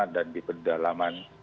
dan di pedalaman